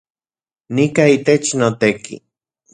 Nika itech noteki